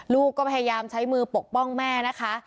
ลูกก็พยายามใช้มือปกป้องแม่นะคะ